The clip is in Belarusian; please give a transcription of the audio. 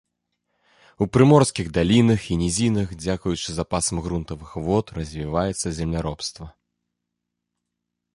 У прыморскіх далінах і нізінах дзякуючы запасам грунтавых вод развіваецца земляробства.